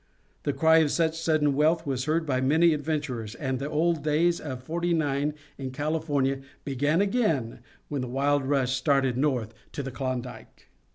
The cry of such sudden wealth was heard by many adventurers, and the old days of 'Forty Nine in California began over again when the wild rush started north to the Klondike.